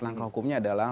langkah hukumnya adalah